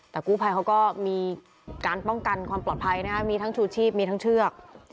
แต่กู้ภัยเขาก็มีการป้องกันความปลอดภัยนะครับมีทั้งชูชีพมีทั้งเชือก